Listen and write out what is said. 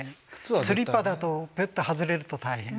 スリッパだとピュッと外れると大変。